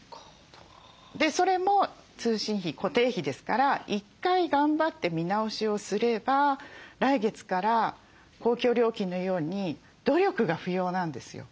それも通信費固定費ですから１回頑張って見直しをすれば来月から公共料金のように努力が不要なんですよ。